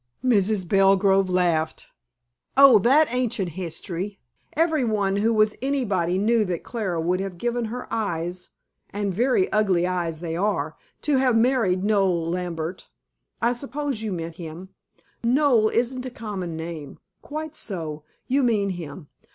Mrs. Belgrove laughed. "Oh, that ancient history. Every one who was anybody knew that Clara would have given her eyes and very ugly eyes they are to have married Noel Lambert. I suppose you mean him? Noel isn't a common name. Quite so. You mean him.